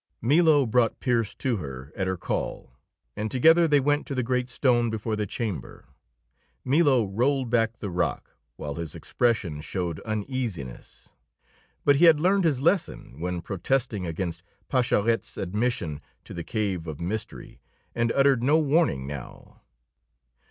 Milo brought Pearse to her at her call, and together they went to the great stone before the chamber. Milo rolled back the rock, while his expression showed uneasiness. But he had learned his lesson when protesting against Pascherette's admission to the cave of mystery, and uttered no warning now.